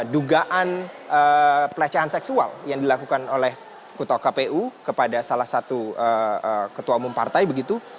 dugaan pelecehan seksual yang dilakukan oleh ketua kpu kepada salah satu ketua umum partai begitu